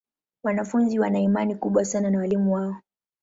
Wanafunzi wana imani kubwa sana na walimu wao.